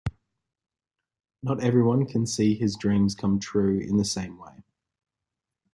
Not everyone can see his dreams come true in the same way.